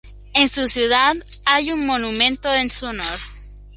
En su ciudad, hay un monumento en su honor.